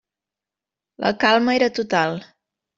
La calma era total.